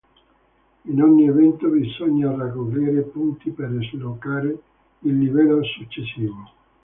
In ogni evento bisogna raccogliere punti per sbloccare il livello successivo.